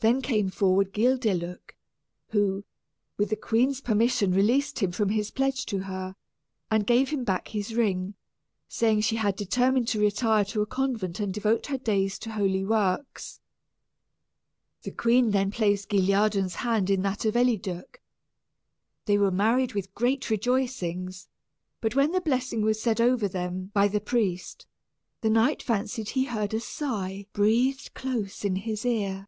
Then came forward Guildeluec, who, with the queen's permission, released him from his pledge to her, and gave him back his ring, saying she had determined to retire to a convent and devote her days to holy works. [Illustration: Guildeluec Reviving Guilliadun.] The queen then placed Guilliadun's hand in that of Eliduc. They were married with great rejoicings; but when the blessing was said over them by the priest, the knight fancied he heard a sigh breathed close in his ear.